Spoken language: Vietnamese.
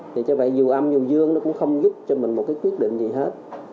thì cho vậy dù âm dù dương nó cũng không giúp cho mình một cái quyết định gì hết